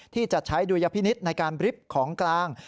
ที่จะใช้ดุลยพินิษฐ์ในการบริฟต์ของกลาง